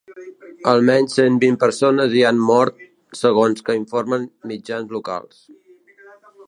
Almenys cent vint persones hi han mort, segons que informen mitjans locals.